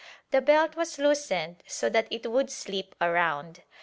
The belt was loosened so that it would slip around.